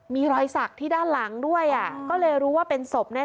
มีรอยสักที่ด้านหลังด้วยอ่ะก็เลยรู้ว่าเป็นศพแน่